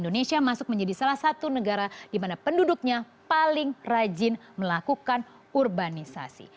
indonesia masuk menjadi salah satu negara di mana penduduknya paling rajin melakukan urbanisasi